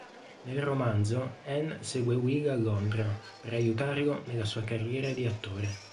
Nel romanzo, Anne segue Will a Londra per aiutarlo nella sua carriera di attore.